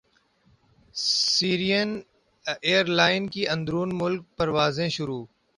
سیرین airline کی اندرون ملک پروازیں شروع